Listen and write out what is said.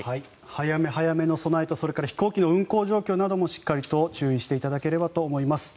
早め早めの備えと飛行機の運航状況などもしっかり注意していただければと思います。